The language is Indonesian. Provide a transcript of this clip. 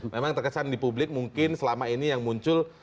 memang terkesan di publik mungkin selama ini yang muncul